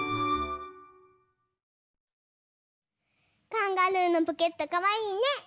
カンガルーのポケットかわいいね。